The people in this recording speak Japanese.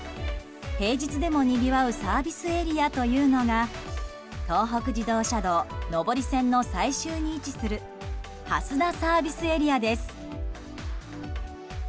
平日でもにぎわうサービスエリアというのが東北自動車道上り線の最終に位置する蓮田ＳＡです。